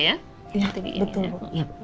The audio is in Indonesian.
iya betul bu